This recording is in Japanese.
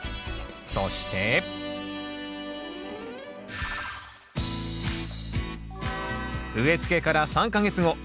そして植え付けから３か月後。